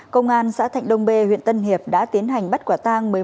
công an xã thạnh đông bê huyện tân hiệp đã tiến hành bắt quả tang